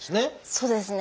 そうですね。